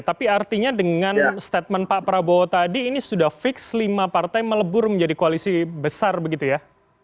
tapi artinya dengan statement pak prabowo tadi ini sudah fix lima partai melebur menjadi koalisi besar begitu ya